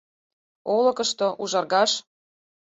Олыкышко, ужаргаш